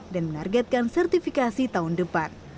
dan menargetkan sertifikasi tahun depan